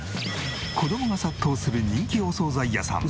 子どもが殺到する人気お惣菜屋さん。